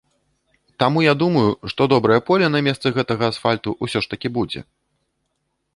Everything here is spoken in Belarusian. Таму я думаю, што добрае поле на месцы гэтага асфальту ўсё ж такі будзе.